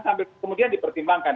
sambil kemudian dipertimbangkan